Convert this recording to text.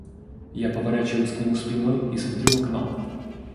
Я поворачиваюсь к нему спиной и смотрю в окно.